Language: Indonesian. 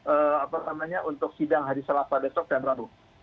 apa namanya untuk sidang hari selasa besok dan rabu